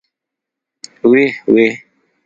ويح ويح.